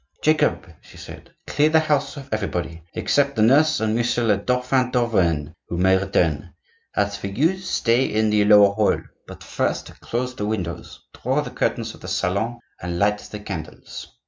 "Jacob," she said, "clear the house of everybody, except the nurse and Monsieur le Dauphin d'Auvergne, who may remain. As for you, stay in the lower hall; but first, close the windows, draw the curtains of the salon, and light the candles."